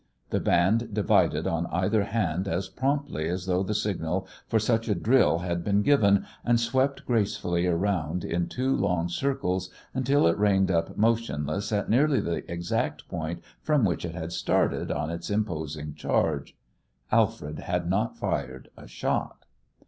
The band divided on either hand as promptly as though the signal for such a drill had been given, and swept gracefully around in two long circles until it reined up motionless at nearly the exact point from which it had started on its imposing charge. Alfred had not fired a shot.